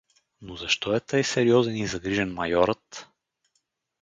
Но защо е тъй сериозен и загрижен майорът?